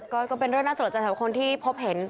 ก็เป็นเรื่องน่าสนใจสำหรับคนที่พบเห็น